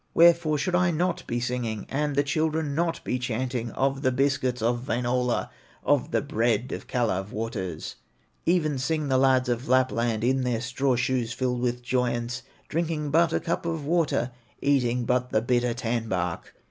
Wherefore should I not be singing, And the children not be chanting Of the biscuits of Wainola, Of the bread of Kalew waters? Even sing the lads of Lapland In their straw shoes filled with joyance, Drinking but a cup of water, Eating but the bitter tan bark.